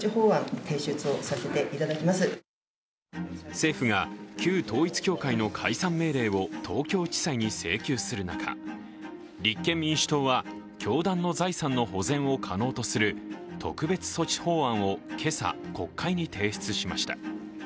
政府が旧統一教会の解散命令を東京地裁に請求する中、立憲民主党は教団の財産の保全を可能とする特別措置法案を今朝、国会に提出しました。